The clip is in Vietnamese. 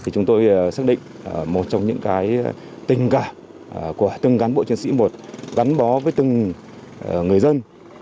chúng tôi xác định một trong những tình cảm của từng cán bộ chiến sĩ một gắn bó với từng người dân